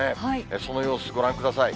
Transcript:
その様子ご覧ください。